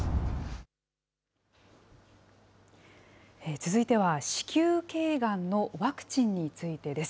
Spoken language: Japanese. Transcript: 続いては、子宮けいがんのワクチンについてです。